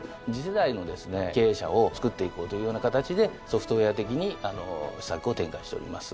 経営者をつくっていこうというような形でソフトウェア的に施策を展開しております。